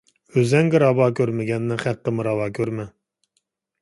ئۆزۈڭگە راۋا كۆرمىگەننى خەققىمۇ راۋا كۆرمە.